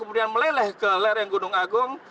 kemudian meleleh ke lereng gunung agung